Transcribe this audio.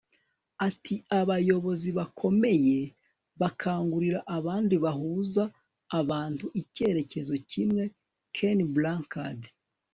ati abayobozi bakomeye bakangurira abandi bahuza abantu icyerekezo kimwe. - ken blanchard